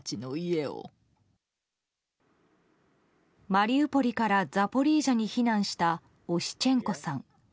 マリウポリからザポリージャに避難したオシチェンコさん。